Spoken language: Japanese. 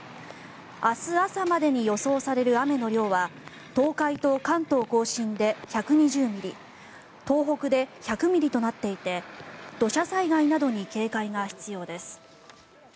明日朝までに予想される雨の量は東海と関東・甲信で１２０ミリ東北で１００ミリとなっていて土砂災害などに警戒が必要です。